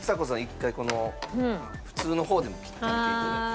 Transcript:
１回この普通の方でも切ってみていただいて。